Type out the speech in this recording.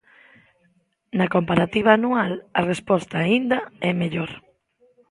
Na comparativa anual a resposta aínda é mellor.